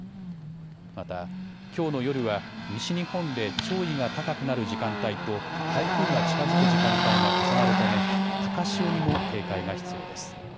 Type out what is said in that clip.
また、きょうの夜は西日本で潮位が高くなる時間帯と台風が近づく時間帯が重なるため高潮にも警戒が必要です。